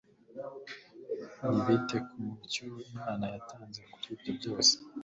ntibite ku mucyo Imana yatanze kuri ibyo byose ?